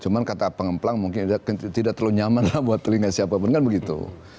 cuma kata pengemplang mungkin tidak terlalu nyaman lah buat telinga siapapun kan begitu